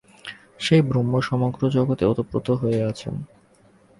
সেই ব্রহ্ম সমগ্র জগতে ওতপ্রোত হইয়া আছেন।